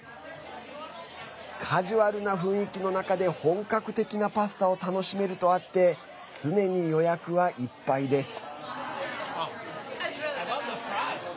カジュアルな雰囲気の中で本格的なパスタを楽しめるとあって常に予約はいっぱいです。